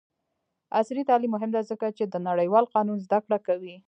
عصري تعلیم مهم دی ځکه چې د نړیوال قانون زدکړه کوي.